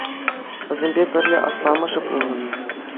Вӗсемпе пӗрле асламӑшӗ пулнӑ.